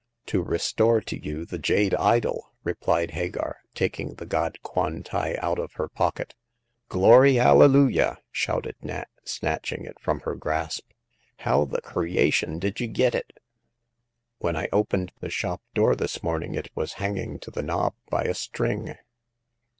"To restore to you the jade idol," replied Hagar, taking the god Kwan tai out of her pocket. " Glory alleluia !" shouted Nat, snatching it from her grasp. " How the creation did you git it ?"" When I opened the shop door this morning, it was hanging to the knob by a string."